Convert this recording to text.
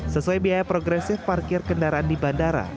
sesuai biaya progresif parkir kendaraan di bandara